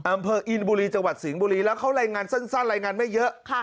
อำเภออินบุรีจังหวัดสิงห์บุรีแล้วเขารายงานสั้นรายงานไม่เยอะ